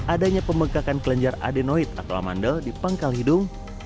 adanya pembekakan kelenjar adenoid atau amandel di pangkal hidung